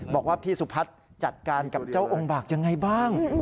บอกว่าพี่สุพัฒน์จัดการกับเจ้าองค์บากยังไงบ้าง